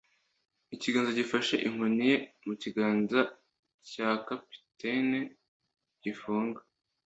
ikiganza gifashe inkoni ye mu kiganza cya capitaine, gifunga